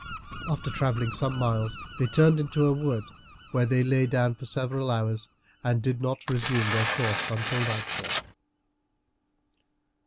After travelling some miles they turned into a wood, where they lay down for several hours, and did not resume their course until nightfall.